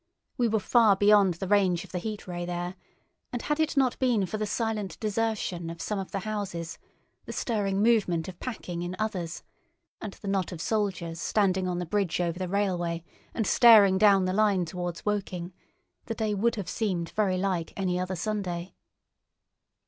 We were far beyond the range of the Heat Ray there, and had it not been for the silent desertion of some of the houses, the stirring movement of packing in others, and the knot of soldiers standing on the bridge over the railway and staring down the line towards Woking, the day would have seemed very like any other Sunday.